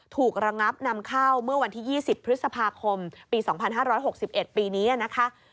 ถูกระงับนำเข้าเมื่อวันที่๒๐พฤษภาคมปี๒๕๖๑ปีนี้นะคะ